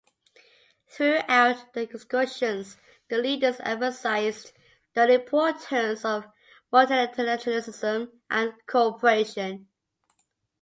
Throughout the discussions, the leaders emphasized the importance of multilateralism and cooperation.